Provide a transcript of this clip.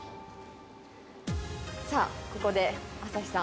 さあここで麻火さん